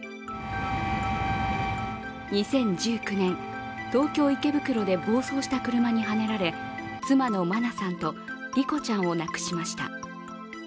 ２０１９年、東京・池袋で暴走した車にはねられ、妻の真菜さんと莉子ちゃんを亡くしました。